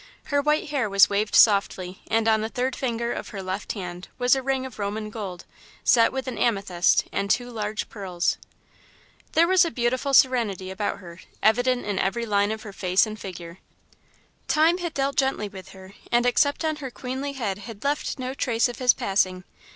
Her white hair was waved softly and on the third finger of her left hand was a ring of Roman gold, set with an amethyst and two large pearls. There was a beautiful serenity about her, evident in every line of her face and figure. Time had dealt gently with her, and except on her queenly head had left no trace of his passing.